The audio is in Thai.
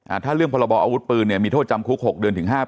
ถ้าเรื่องพรบออาวุธปืนเนี่ยมีโทษจำคุกหกเดือนถึงห้าปี